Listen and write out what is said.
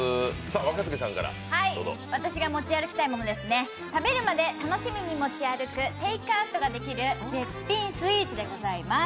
私が持ち歩きたいもの食べるまで楽しみに持ち歩く、テイクアウトができる絶品スイーツでございます！